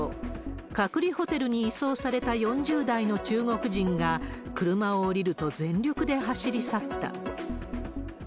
隔離ホテルに移送された４０代の中国人が、車を降りると全力で走り去った。